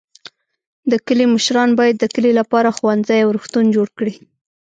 د کلي مشران باید د کلي لپاره ښوونځی او روغتون جوړ کړي.